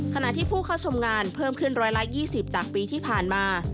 ขณะที่ผู้เข้าชมงานเพิ่มขึ้น๑๒๐จากปีที่ผ่านมา